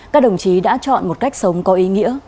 các đồng chí đã chọn một cách sống có ý nghĩa